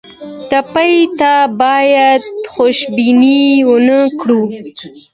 ټپي ته باید خوشبیني ورکړو.